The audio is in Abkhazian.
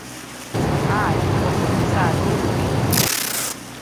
Ааи, уахагьы сааӡом иҳәеит!